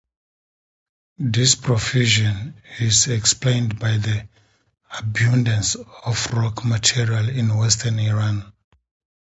This profusion is explained by the abundance of rock material in western Iran.